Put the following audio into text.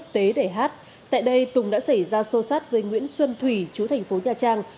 tế để hát tại đây tùng đã xảy ra sô sát với nguyễn xuân thủy chú thành phố nha trang